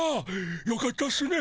よかったっすね